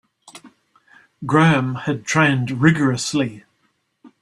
Graham had trained rigourously.